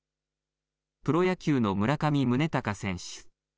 プロ野球の村上宗隆選手。